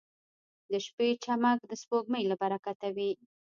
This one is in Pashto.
• د شپې چمک د سپوږمۍ له برکته وي.